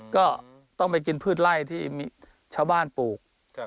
ก็ต้องไปกินพืชไล่ที่มีชาวบ้านปลูก